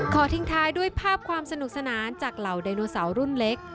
ทิ้งท้ายด้วยภาพความสนุกสนานจากเหล่าไดโนเสาร์รุ่นเล็ก